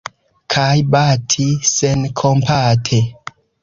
Kaj bati senkompate!